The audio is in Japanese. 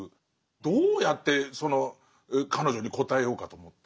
どうやってその彼女に答えようかと思って。